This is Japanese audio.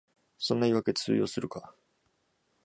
そんな言いわけ通用するか